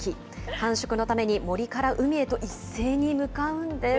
繁殖のために森から海へと一斉に向かうんです。